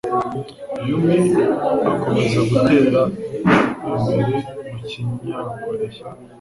Yumi akomeza gutera imbere mu kinyakoreya.